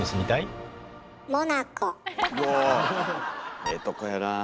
ええとこやなあ。